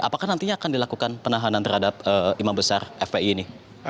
apakah nantinya akan dilakukan penahanan terhadap imam besar fpi ini